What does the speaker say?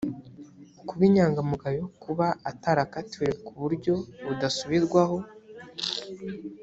kuba inyangamugayo, kuba atarakatiwe ku buryo budasubirwaho